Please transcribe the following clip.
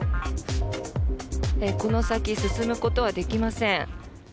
この先、進むことはできません。